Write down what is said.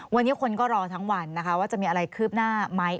วันนี้คนก็รอทั้งวันนะคะว่าจะมีอะไรคืบหน้าไหม